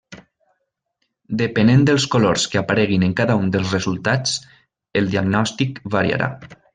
Depenent dels colors que apareguin en cada un dels resultats, el diagnòstic variarà.